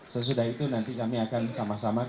sesudah itu nanti kami akan sama sama berjalan ke dpp pks